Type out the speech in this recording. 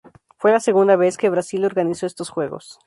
Fue la segunda vez que Brasil organizó estos juegos.